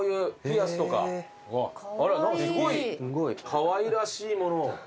かわいらしいものを。